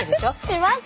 します！